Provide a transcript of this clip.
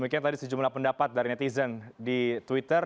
demikian tadi sejumlah pendapat dari netizen di twitter